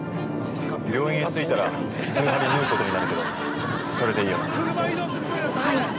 病院へ着いたら、数針縫うことになるけど、それでいいよな。